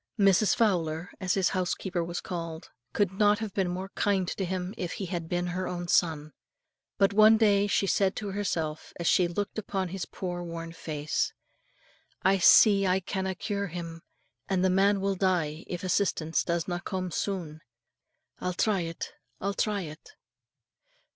Mrs. Fowler, as his housekeeper was called, could not have been more kind to him if he had been her own son. But one day she said to herself, as she looked upon his poor worn face, "I see I canna cure him, and the man will die if assistance doesna come soon. I'll try it, I'll try it."